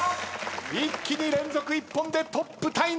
一気に連続一本でトップタイ。